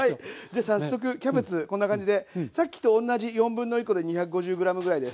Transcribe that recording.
じゃ早速キャベツこんな感じでさっきと同じ1/4コで２５０ｇぐらいです。